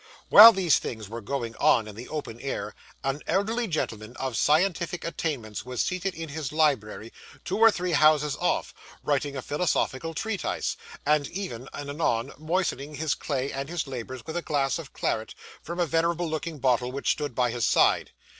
While these things were going on in the open air, an elderly gentleman of scientific attainments was seated in his library, two or three houses off, writing a philosophical treatise, and ever and anon moistening his clay and his labours with a glass of claret from a venerable looking bottle which stood by his side.